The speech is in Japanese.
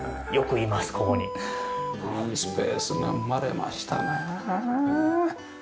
いいスペースが生まれましたね。